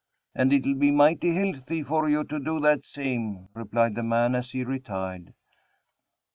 "And it'll be mighty healthy for you to do that same," replied the man as he retired.